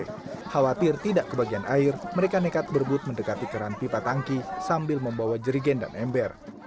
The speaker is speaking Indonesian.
khawatir tidak kebagian air mereka nekat berbut mendekati keran pipa tangki sambil membawa jerigen dan ember